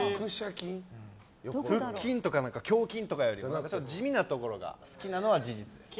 腹筋とか胸筋とかよりも地味なところが好きなのは事実ですね。